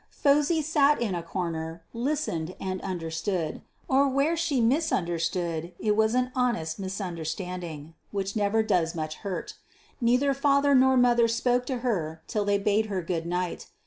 Phosy sat in a corner, listened, and understood. Or where she misunderstood, it was an honest misunderstanding, which never does much hurt. Neither father nor mother spoke to her till they bade her good night.